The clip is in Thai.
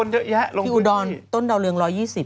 พี่อุดรต้นเดาเหลือง๑๒๐